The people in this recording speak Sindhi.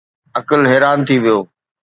عقل حيران ٿي ويو.